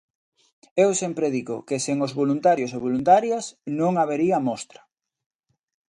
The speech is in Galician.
Eu sempre digo que sen os voluntarios e voluntarias, non habería Mostra.